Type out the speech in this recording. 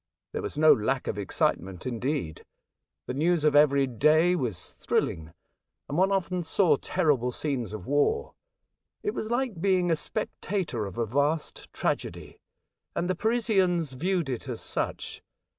There was no lack of excitement indeed. The news of every day was thrilling, and one often saw terrible scenes of war. It was like being a spectator of a vast tragedy, and the Parisians viewed it as such.